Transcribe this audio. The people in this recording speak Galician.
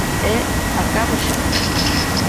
E acabo xa.